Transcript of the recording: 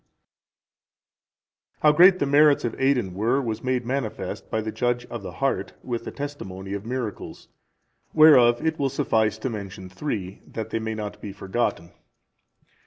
D.] How great the merits of Aidan were, was made manifest by the Judge of the heart, with the testimony of miracles, whereof it will suffice to mention three, that they may not be forgotten.